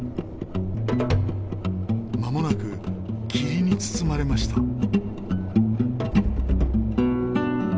まもなく霧に包まれました。